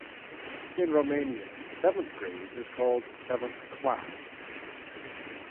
In Romania, seventh grade is called Seventh Class.